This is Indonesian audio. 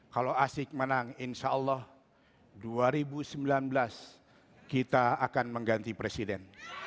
kalau asik menang insya allah dua ribu sembilan belas kita akan mengganti presiden